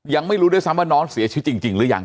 ยังไม่รู้ด้วยซ้ำว่าน้องเสียชีวิตจริงหรือยัง